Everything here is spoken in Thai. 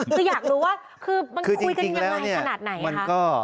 คืออยากรู้ว่าคือมันคุยกันยังไงขนาดไหนคะ